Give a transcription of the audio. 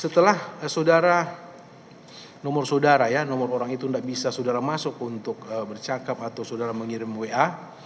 setelah nomor saudara ya nomor orang itu tidak bisa saudara masuk untuk bercakap atau saudara mengirim wa